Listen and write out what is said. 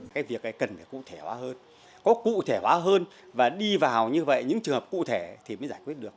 cái việc này cần phải cụ thể hóa hơn có cụ thể hóa hơn và đi vào như vậy những trường hợp cụ thể thì mới giải quyết được